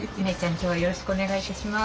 今日はよろしくお願いいたします。